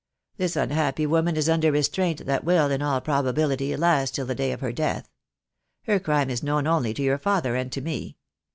This unhappy woman is under restraint that will, in all probability, last till the day of her death. Her crime is known only to your father and to me.